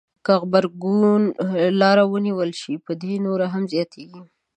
که غبرګون لاره ونیول شي بدي نوره هم زياتېږي.